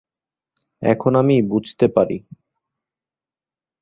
এখন আমি বুঝতে পারি।